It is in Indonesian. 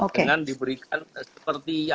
dengan diberikan seperti